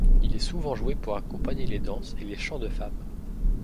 Il est souvent joué pour accompagner les danses et les chants de femmes.